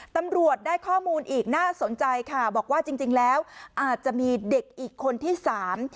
ตำรวจได้ข้อมูลอีกน่าสนใจค่ะบอกว่าจริงจริงแล้วอาจจะมีเด็กอีกคนที่สาม